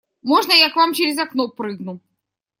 Можно, я к вам через окно прыгну?